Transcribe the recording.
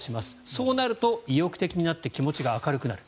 そうなると意欲的になって気持ちが明るくなる。